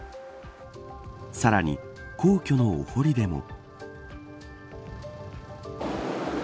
さらに皇居のお堀でも。